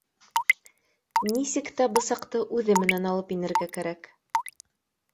Нисек тә бысаҡты үҙе менән алып инергә кәрәк